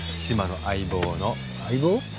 志摩の相棒の相棒？